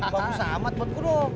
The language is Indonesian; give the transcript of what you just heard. kamu sama pak pur